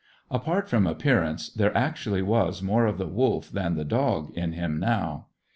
Apart from appearance, there actually was more of the wolf than the dog in him now.